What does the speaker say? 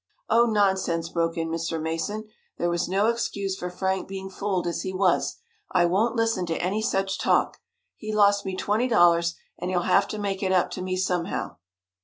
"Oh, nonsense!" broke in Mr. Mason. "There was no excuse for Frank being fooled as he was. I won't listen to any such talk! He lost me twenty dollars and he'll have to make it up to me, somehow."